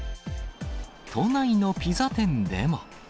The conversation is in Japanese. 都内のピザ店でも。